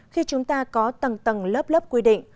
khi chúng ta có tầng tầng lớp lớp quy định